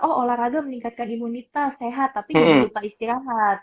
oh olahraga meningkatkan imunitas sehat tapi jangan lupa istirahat